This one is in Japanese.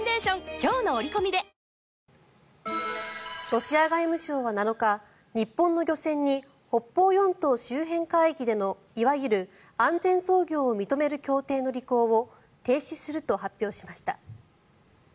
ロシア外務省は７日日本の漁船に北方四島周辺海域でのいわゆる安全操業を認める協定の履行を停止すると発表しました。